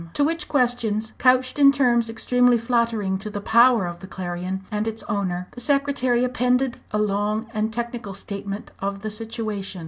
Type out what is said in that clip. To which questions, couched in terms extremely flattering to the power of the Clarion and its owner, the secretary appended a long and technical statement of the situation.